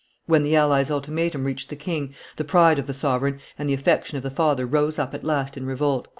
When the allies' ultimatum reached the king, the pride of the sovereign and the affection of the father rose up at last in revolt.